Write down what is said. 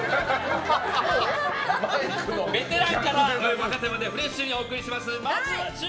ベテランから若手までフレッシュにお送りします！